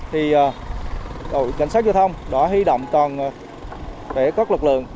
thì cảnh sát giao thông đã huy động toàn thể các lực lượng